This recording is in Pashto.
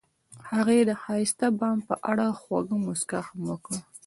هغې د ښایسته بام په اړه خوږه موسکا هم وکړه.